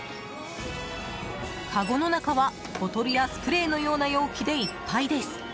かごの中はボトルやスプレーのような用器でいっぱいです。